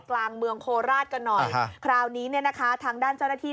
กลางเมืองโคราชกันหน่อยคราวนี้เนี่ยนะคะทางด้านเจ้าหน้าที่